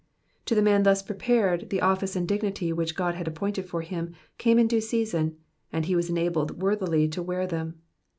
To the man thus prepared, the oflice and dignity which God had appointed for him, came in due season, and he was enabled worthily to wear them.